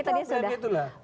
itu problemnya itulah